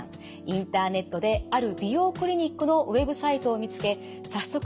インターネットである美容クリニックのウェブサイトを見つけ早速